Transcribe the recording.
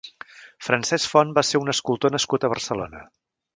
Francesc Font va ser un escultor nascut a Barcelona.